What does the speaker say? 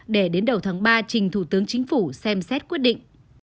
để đến đầu tháng ba trình thủ tướng chính phủ xem xét quyết định